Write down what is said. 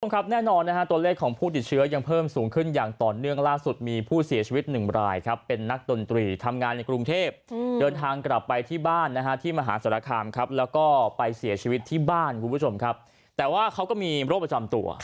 ครับแน่นอนนะฮะตัวเลขของผู้ติดเชื้อยังเพิ่มสูงขึ้นอย่างต่อเนื่องล่าสุดมีผู้เสียชีวิตหนึ่งรายครับเป็นนักดนตรีทำงานในกรุงเทพเดินทางกลับไปที่บ้านนะฮะที่มหาศาลคามครับแล้วก็ไปเสียชีวิตที่บ้านคุณผู้ชมครับแต่ว่าเขาก็มีโรคประจำตัว